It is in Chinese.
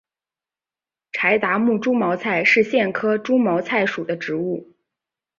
柴达木猪毛菜是苋科猪毛菜属的植物。